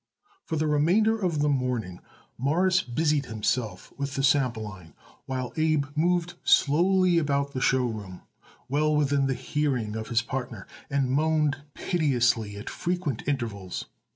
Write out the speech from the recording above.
For the remainder of the morning Morris busied himself with the sample line, while Abe moved slowly about the show room, well within the hearing of his partner, and moaned piteously at frequent intervals.